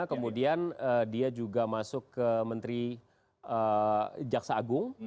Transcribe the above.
kemudian dia juga masuk ke menteri jaksa agung